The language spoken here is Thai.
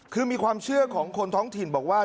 คือมีความเชื่อของคนท้องถิ่นบอกว่า